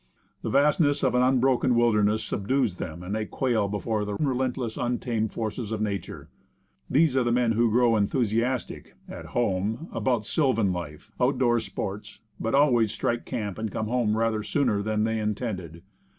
The vastness of an unbroken wilderness subdues them, and they quail before the relentless, untamed forces of nature. These are the men who grow enthusiastic at ' home about sylvan life, out door sports, but always strike camp and come home rather sooner than they intended.